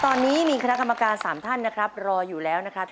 ตอนนี้มีคณะกรรมการ๓ท่านนะครับรออยู่แล้วนะครับ